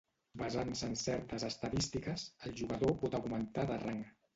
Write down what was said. Basant-se en certes estadístiques, el jugador pot augmentar de rang.